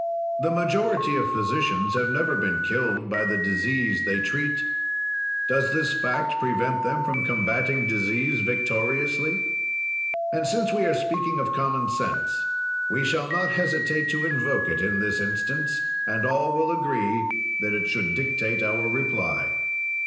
"The majority of physicians have never been killed by the disease they treat. "Does this fact prevent them from combatting disease victoriously? "And since we are speaking of common sense we shall not hesitate to invoke it in this instance, and all will agree that it should dictate our reply.